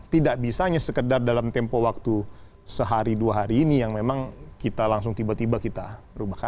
tidak bisa hanya sekedar dalam tempo waktu sehari dua hari ini yang memang kita langsung tiba tiba kita rubahkan